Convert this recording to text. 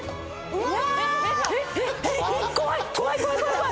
うわ！